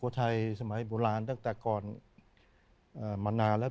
ไทยสมัยโบราณตั้งแต่ก่อนมานานแล้ว